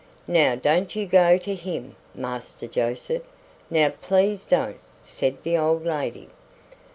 "Now don't you go to him, Master Joseph; now please don't," said the old lady.